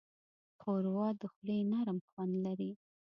ښوروا د خولې نرم خوند لري.